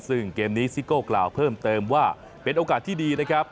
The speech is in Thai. ซึ่งเกมนี้ซิโก้กล่าวเพิ่มเติมว่าเป็นโอกาสที่ดีนะครับ